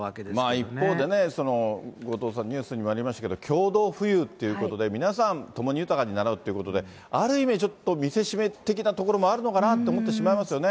一方でね、後藤さん、ニュースにもありましたけど、共同富裕っていうことで、皆さん、共に豊かになろうということで、ある意味ちょっと、見せしめ的なところもあるのかなと思ってしまいますよね。